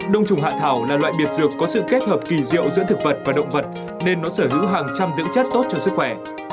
đông trùng hạ thảo là loại biệt dược có sự kết hợp kỳ diệu giữa thực vật và động vật nên nó sở hữu hàng trăm dưỡng chất tốt cho sức khỏe